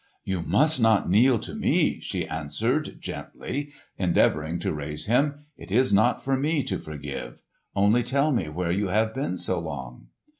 "You must not kneel to me," she answered, gently endeavouring to raise him. "It is not for me to forgive. Only tell me where you have been so long."